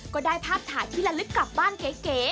ก็ได้ภาพถ่ายที่ละลึกกลับบ้านเก๋